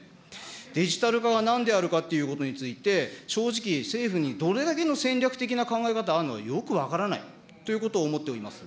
デジタル化がなんであるかということについて、正直、政府にどれだけの戦略的な考え方があるのか、よく分からないということを思っております。